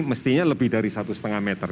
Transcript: mestinya lebih dari satu lima meter